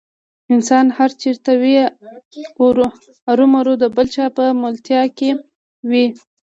انسان هر چېرته وي ارومرو د بل چا په ملتیا کې وي.